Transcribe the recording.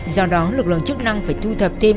do đó lực lượng chức năng phải thu thập thêm